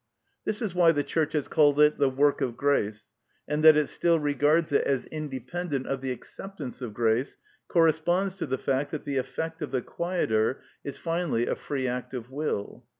This is why the Church has called it the work of grace; and that it still regards it as independent of the acceptance of grace corresponds to the fact that the effect of the quieter is finally a free act of will.